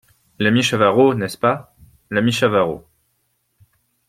L’ami Chavarot, n’est-ce pas ? l’ami Chavarot !